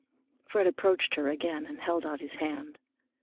Fred approached her again and held out his hand.